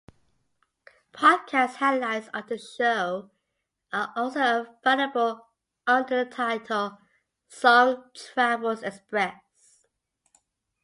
Podcast highlights of the show are also available under the title "Song Travels Express".